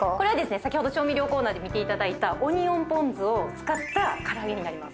先ほど調味料コーナーで見ていただいたオニオンぽん酢を使った唐揚げになります。